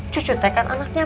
cucu teh kan anaknya